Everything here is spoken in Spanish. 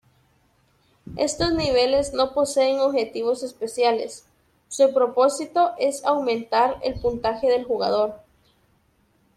Estos niveles no poseen objetivos especiales, su propósito es aumentar el puntaje del jugador.